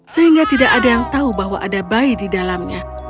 sehingga tidak ada yang tahu bahwa ada bayi di dalamnya